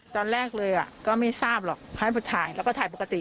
ตอนแรกเลยก็ไม่ทราบหรอกให้ไปถ่ายแล้วก็ถ่ายปกติ